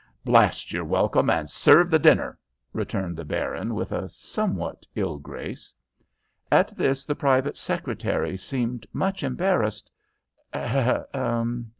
"Blast your welcome, and serve the dinner," returned the baron, with a somewhat ill grace. At this the private secretary seemed much embarrassed.